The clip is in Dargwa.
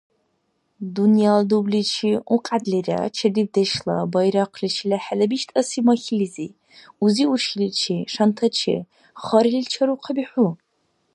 Дунъяла дубличи укьядлира, чедибдешла байрахъличил хӀела биштӀаси махьилизи, узи-уршиличи, шантачи харили чарухъаби хӀу!